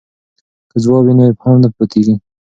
که ځواب وي نو ابهام نه پاتیږي.